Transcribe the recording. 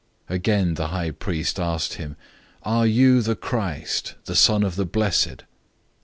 Again the high priest asked him, "Are you the Christ, the Son of the Blessed?"